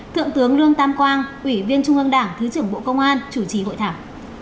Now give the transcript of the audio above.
thượng tướng lương tam quang ủy viên trung ương đảng thứ trưởng bộ công an chủ trì hội thảo